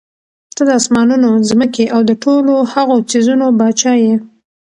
ته د آسمانونو، ځمکي او د ټولو هغو څيزونو باچا ئي